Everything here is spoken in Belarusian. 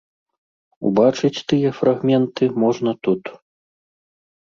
Убачыць тыя фрагменты можна тут.